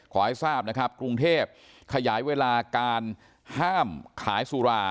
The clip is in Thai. ขอให้ทราบนะครับกรุงเทพขยายเวลาการห้ามขายสุรา